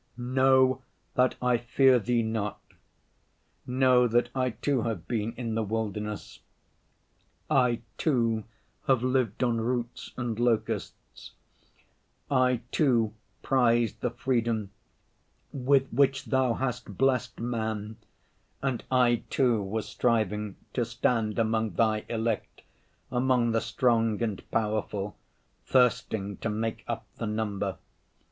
Know that I fear Thee not. Know that I too have been in the wilderness, I too have lived on roots and locusts, I too prized the freedom with which Thou hast blessed men, and I too was striving to stand among Thy elect, among the strong and powerful, thirsting "to make up the number."